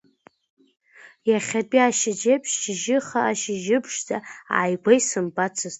Иахьатәи ашьыжь еиԥш шьыжьы хаа, шьыжьы ԥшӡа ааигәа исымбацызт.